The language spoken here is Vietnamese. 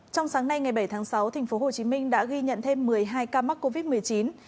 trong sáng nay ngày bảy tháng sáu tp hcm đã ghi nhận thêm một mươi hai ca mắc covid một mươi chín